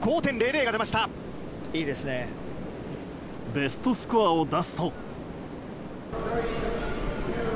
ベストスコアを出すと。